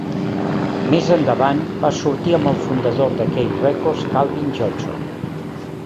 Més endavant, va sortir amb el fundador de K Records Calvin Johnson.